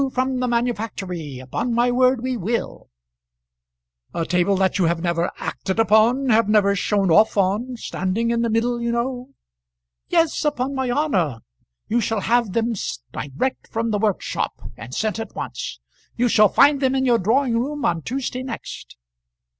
"New from the manufactory; upon my word we will." "A table that you have never acted upon have never shown off on; standing in the middle, you know?" "Yes; upon my honour. You shall have them direct from the workshop, and sent at once; you shall find them in your drawing room on Tuesday next."